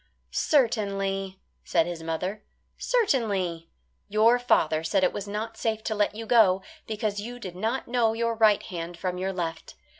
"Certainly," said his mother, "certainly. Your father said it was not safe to let you go, because you did not know your right hand from your left.